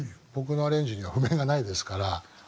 僕のアレンジには譜面がないですから。